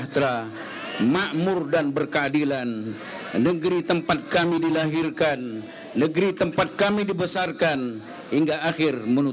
silakan pak kiai